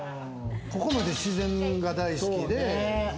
ここまで自然が大好きで。